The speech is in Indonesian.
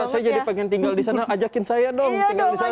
saya jadi pengen tinggal di sana ajakin saya dong tinggal di sana